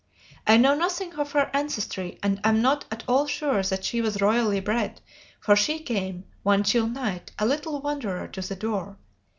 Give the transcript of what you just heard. I know nothing of her ancestry and am not at all sure that she was royally bred, for she came, one chill night, a little wanderer to the door.